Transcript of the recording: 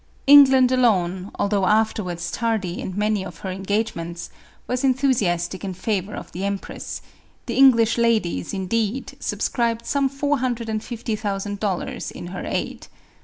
England alone, although afterwards tardy in many of her engagqinents, was enthusiastic in favor of the empress; the English ladies, indeed, subscribed some four hundred and fifty thousand dollars in her aid.